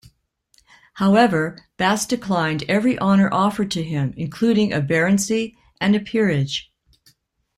However, Bass declined every honour offered to him, including a baronetcy and a peerage.